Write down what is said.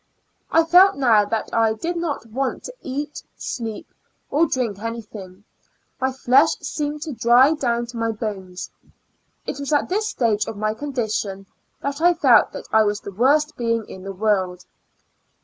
I felt now that I did not want to eat, sleep, or drink anything ; my flesh seemed to dry down to my bones. It was at this stage of my condition that I felt that I was the worst being in the world.